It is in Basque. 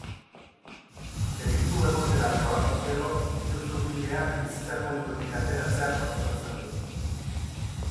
Delitua egon dela frogatuz gero, iruzurgileak bizitza publikotik ateratzea proposatzen du.